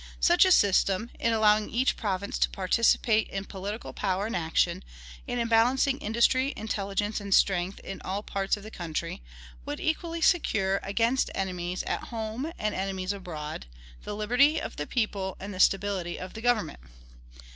Such a system in allowing each province to participate in political power and action, and in balancing industry, intelligence, and strength in all parts of the country would equally secure, against enemies at home and enemies abroad, the liberty of the people and the stability of the government.